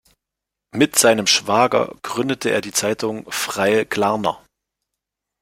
Mit seinem Schwager gründete er die Zeitung „Freie Glarner“.